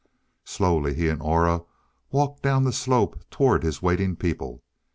Slowly he and Aura walked down the slope toward his waiting people.